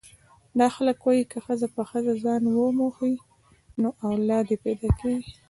دا خلک وايي که ښځه په ښځه ځان وموښي نو اولاد یې پیدا کېږي.